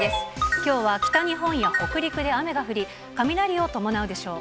きょうは北日本や北陸で雨が降り、雷を伴うでしょう。